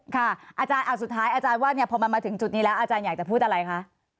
อาจารย์สุดท้ายอาจารย์ว่าพอมันมาถึงจุดนี้แล้วอาจารย์อยากจะพูดอะไรคะ